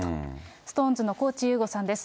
ＳｉｘＴＯＮＥＳの高地優吾さんです。